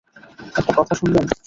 একটা কথা শুনবেন?